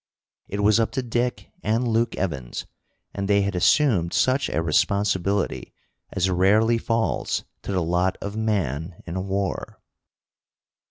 It was up to Dick and Luke Evans, and they had assumed such a responsibility as rarely falls to the lot of man in war.